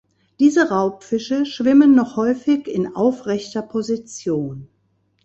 Diese Raubfische schwimmen noch häufig in aufrechter Position.